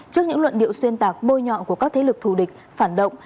trước những luận điệu xuyên tạc bôi nhọ của các thế lực thù địch phản động